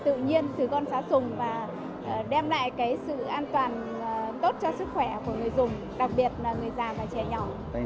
và đem lại cái sự an toàn tốt cho sức khỏe của người dùng đặc biệt là người già và trẻ nhỏ